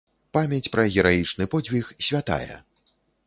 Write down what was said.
Памяць пра гераічны подзвіг святая.